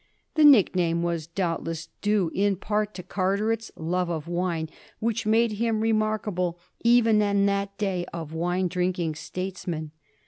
The nickname was doubtless due in part to Carteret's love of wine, which made him remarkable even in that day of wine drinking statesmen.